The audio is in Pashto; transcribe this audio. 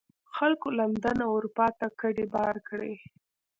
خلکو لندن او اروپا ته کډې بار کړې.